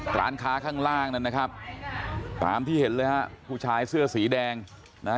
ร้านค้าข้างล่างนั้นนะครับตามที่เห็นเลยฮะผู้ชายเสื้อสีแดงนะฮะ